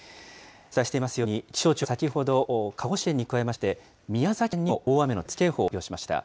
お伝えしていますように、気象庁は先ほど、鹿児島県に加えまして、宮崎県にも大雨の特別警報を発表しました。